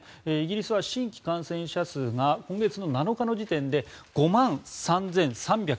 イギリスは新規感染者数が今月７日時点で５万３３２６人。